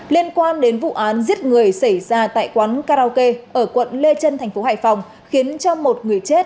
liên quan đến vụ án giết người xảy ra tại quán karaoke ở quận lê trân thành phố hải phòng khiến cho một người chết